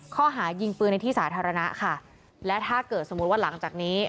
ข้อหายิงปืนในที่สาธารณะค่ะและถ้าเกิดสมมุติว่าหลังจากนี้